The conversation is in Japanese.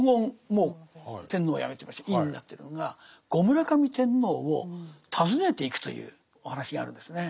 もう天皇をやめてまして院になってるのが後村上天皇を訪ねていくというお話があるんですね。